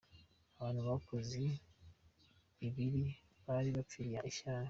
Abantu bakoze ibi ni abari bamfitiye ishyari.